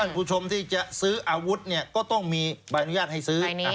คุณผู้ชมที่จะซื้ออาวุธเนี่ยก็ต้องมีใบอนุญาตให้ซื้อ